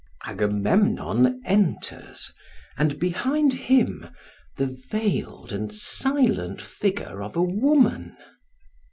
Agamemnon enters, and behind him the veiled and silent figure of a woman.